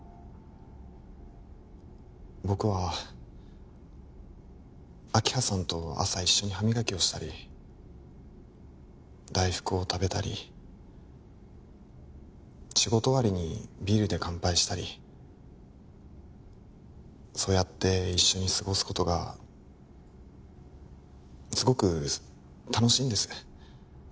僕は明葉さんと朝一緒に歯磨きをしたり大福を食べたり仕事終わりにビールで乾杯したりそうやって一緒に過ごすことがすごく楽しいんです